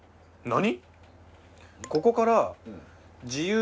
何？